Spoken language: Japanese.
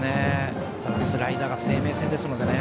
スライダーが生命線ですのでね。